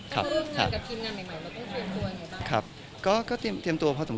เธอเริ่มเงินกับทีมงานใหม่ก็ต้องเตรียมตัวอย่างไรบ้าง